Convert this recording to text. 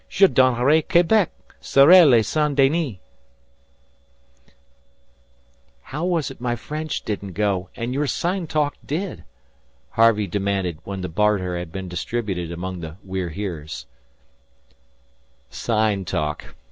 Je donnerai Quebec, Sorel et Saint Denis." "How was it my French didn't go, and your sign talk did?" Harvey demanded when the barter had been distributed among the We're Heres. "Sign talk!"